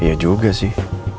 iya juga sih